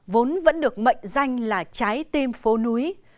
vốn vẫn được mệnh danh là trái tim phố núi